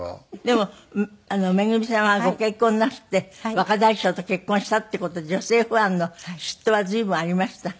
でもめぐみさんはご結婚なすって若大将と結婚したっていう事で女性ファンの嫉妬は随分ありました？